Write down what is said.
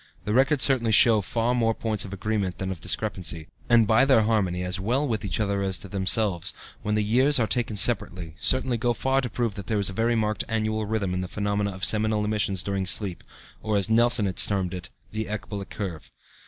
The records certainly show far more points of agreement than of discrepancy, and by their harmony, as well with each other as with themselves, when the years are taken separately, certainly go far to prove that there is a very marked annual rhythm in the phenomena of seminal emissions during sleep, or, as Nelson has termed it, the ecbolic curve.